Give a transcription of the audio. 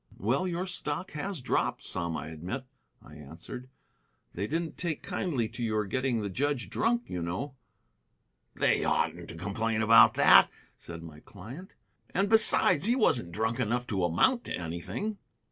"Well, your stock has dropped some, I admit," I answered. "They didn't take kindly to your getting the judge drunk, you know." "They oughtn't to complain about that," said my client; "and besides, he wasn't drunk enough to amount to anything."